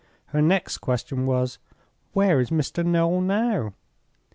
Her next question was, 'Where is Mr. Noel now?